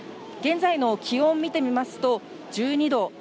現在の気温見てみますと、１２度。